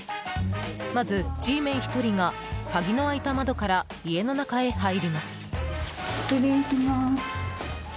まず、Ｇメン１人が鍵の開いた窓から家の中へ入ります。